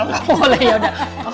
nggak boleh yaudah